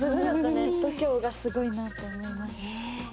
度胸がすごいなと思いました。